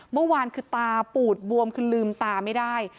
เมื่อวานคือตาปูดบวมคือลืมตาไม่ได้